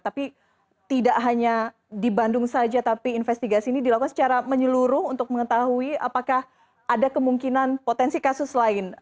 tapi tidak hanya di bandung saja tapi investigasi ini dilakukan secara menyeluruh untuk mengetahui apakah ada kemungkinan potensi kasus lain